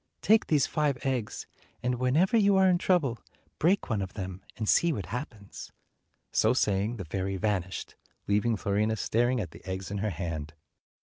Take these five eggs, and whenever you are in trouble, break one of them, and see what happens." So saying, the' fairy vanished, leaving Fiorina staring at the eggs in her hand.